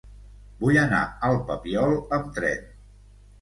Vull anar al Papiol amb tren.